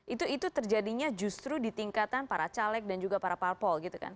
itu terjadinya justru di tingkatan para caleg dan juga para parpol gitu kan